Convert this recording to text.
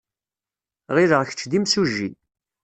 Ɣileɣ kečč d imsujji.